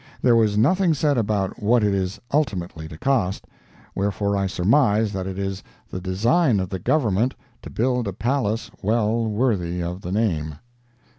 There was nothing said about what it is ultimately to cost—wherefore I surmise that it is the design of the Government to build a palace well worthy of the name.